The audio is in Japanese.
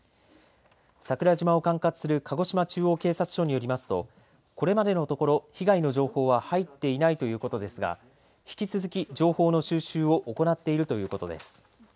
桜島を管轄する鹿児島中央警察署によりますとこれまでのところ被害の情報は入っていないということですが引き続き情報の収集を行っているということです。